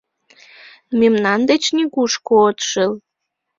— Мемнан деч нигушко от шыл!